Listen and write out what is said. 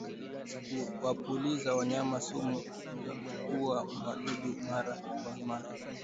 Kuwapulizia wanyama sumu za kuuwa wadudu mara kwa mara